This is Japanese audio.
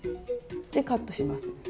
カットします。